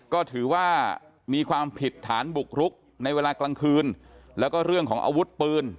ก็ถือว่ามีความผิดฐานบุกรุกในเวลากลางคืนแล้วก็เรื่องของอาวุธปืน